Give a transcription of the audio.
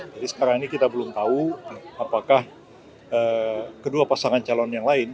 jadi sekarang ini kita belum tahu apakah kedua pasangan calon yang lain